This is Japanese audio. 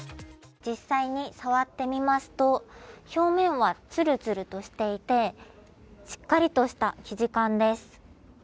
実際に触ってみますと、表面はツルツルとしていてしっかりとした生地感です。